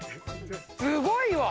すごいわ。